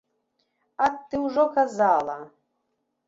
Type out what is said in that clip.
Ат, ты ўжо казала!